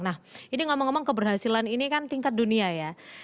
nah ini ngomong ngomong keberhasilan ini kan tingkat dunia ya